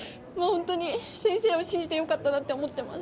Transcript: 先生を信じて良かったなって思ってます。